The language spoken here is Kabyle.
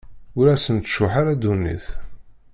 Ur asent-tcuḥḥ ara ddunit.